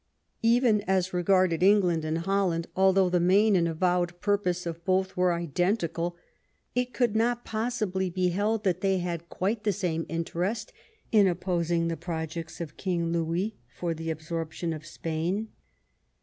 Even as regarded England and Holland, although the main and avowed purpose of both was identical, it could not possibly be held that they had quite the same interest in opposing the projects of King Louis for the absorption of Spain.